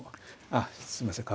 あっすいません。